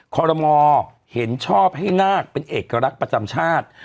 คอรมอเห็นชอบให้นาคเป็นเอกลักษณ์ประจำชาติ